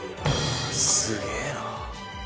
すげえな。